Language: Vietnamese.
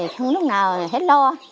không lúc nào hết lo